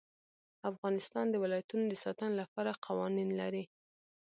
افغانستان د ولایتونو د ساتنې لپاره قوانین لري.